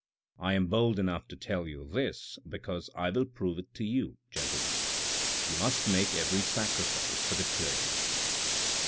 I am bold enough to tell you this because I will prove it to you, gentlemen. You must make every sacrifice for the clergy.